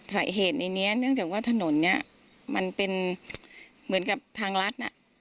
สาเหตุในนี้เนื่องจากว่าถนนนี้มันเป็นเหมือนกับทางรัฐน่ะ